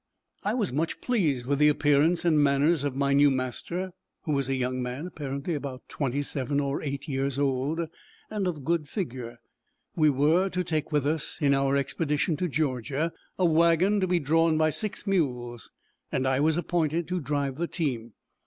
I was much pleased with the appearance and manners of my new master, who was a young man apparently about twenty seven or eight years old, and of good figure. We were to take with us, in our expedition to Georgia, a wagon, to be drawn by six mules, and I was appointed to drive the team.